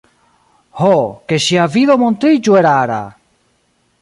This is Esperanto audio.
Ho, ke ŝia vido montriĝu erara!